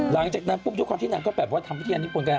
หลังจากนั้นปุ๊บทุกครั้งที่นางก็แบบว่าทำวิทยาลัยญี่ปุ่นกัน